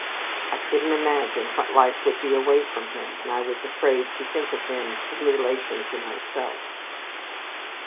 I couldn't imagine what life would be away from him; and I was afraid to think of him in relation to myself."